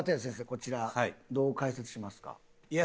こちらどう解説しますか？